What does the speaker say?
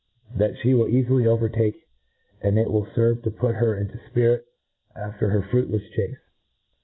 That ftie will eafily overtake; and it will ferve to put her into fpirit after her fruitlefa chace.